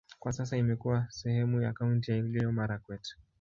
Kwa sasa imekuwa sehemu ya kaunti ya Elgeyo-Marakwet.